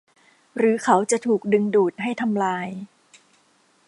หรือเขาจะถูกดึงดูดให้ทำลาย